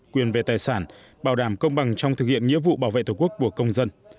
quyền về tài sản bảo đảm công bằng trong thực hiện nghĩa vụ bảo vệ tổ quốc của công dân